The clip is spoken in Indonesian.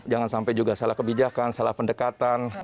jangan sampai juga salah kebijakan salah pendekatan